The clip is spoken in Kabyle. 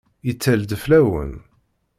Yettal-d fell-awen!